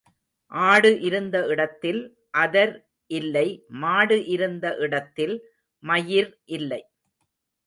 ஆடு இருந்த இடத்தில் அதர் இல்லை மாடு இருந்த இடத்தில் மயிர் இல்லை.